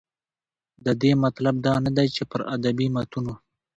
د دې مطلب دا نه دى، چې پر ادبي متونو